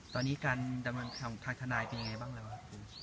ตอนนี้การดำเนินของทางทนายเป็นยังไงบ้างแล้วครับ